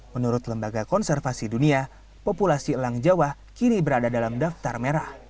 menurut lembaga konservasi dunia populasi elang jawa kini berada dalam daftar merah